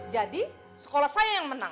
jadi sekolah saya yang menang